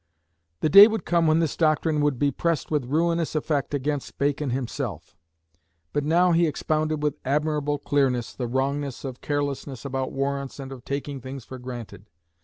The day would come when this doctrine would be pressed with ruinous effect against Bacon himself. But now he expounded with admirable clearness the wrongness of carelessness about warrants and of taking things for granted.